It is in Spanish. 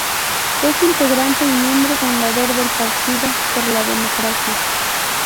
Es integrante y miembro fundador del Partido por la Democracia.